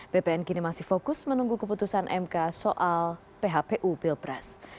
bpn kini masih fokus menunggu keputusan mk soal phpu pilpres